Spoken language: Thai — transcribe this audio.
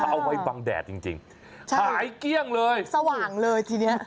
เออเอาไว้บังแดดจริงหายเกี้ยงเลยสว่างเลยทีนี้